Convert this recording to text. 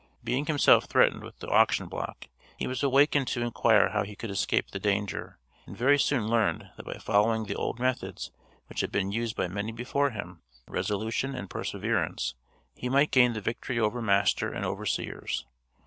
Being himself threatened with the auction block, he was awakened to inquire how he could escape the danger, and very soon learned that by following the old methods which had been used by many before him, resolution and perseverance, he might gain the victory over master and overseers.